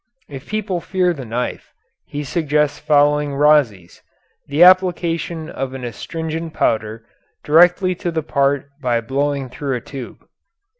If people fear the knife he suggests following Rhazes, the application of an astringent powder directly to the part by blowing through a tube.